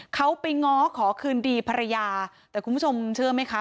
เขาไปง้อขอคืนดีภรรยาแต่คุณผู้ชมเชื่อไหมคะ